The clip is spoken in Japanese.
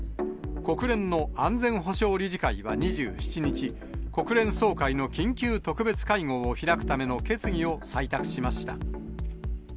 国連の安全保障理事会は２７日、国連総会の緊急特別会合を開くための決議を採択しました。